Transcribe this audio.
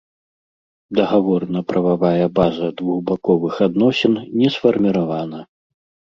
Дагаворна-прававая база двухбаковых адносін не сфарміравана.